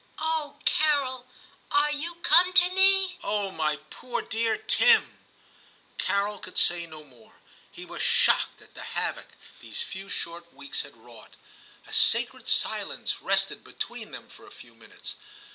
' Oh, Carol ! are you come to me V ' Oh, my poor dear Tim !* Carol could say no more. He was shocked at the havoc these few short weeks ^ XIII TIM 309 had wrought. A sacred silence rested be tween them for a few minutes.